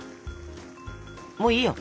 もういいよ。